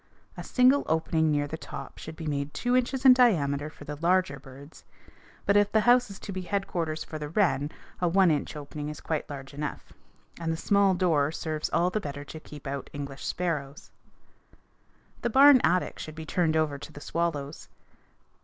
A single opening near the top should be made two inches in diameter for the larger birds; but if the house is to be headquarters for the wren, a one inch opening is quite large enough, and the small door serves all the better to keep out English sparrows. The barn attic should be turned over to the swallows.